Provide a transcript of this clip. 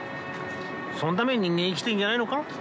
そのために人間生きてんじゃないのか。